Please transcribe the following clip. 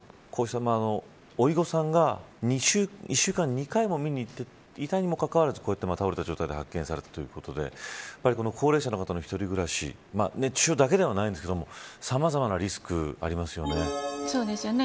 瑠麗さん、こうしたおいごさんが１週間に２回も見にいっていたにもかかわらずこうやって倒れた状態で発見されたということで高齢者の方の一人暮らし熱中症だけではないですけどさまざまなリスクありますよね。